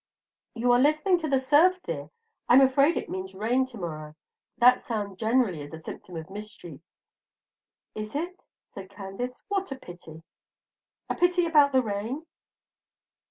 You are listening to the surf, dear. I'm afraid it means rain to morrow. That sound generally is a symptom of mischief." "Is it?" said Candace; "what a pity!" "A pity about the rain?"